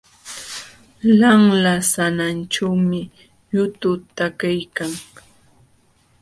Lanla sananćhuumi yutu takiykan.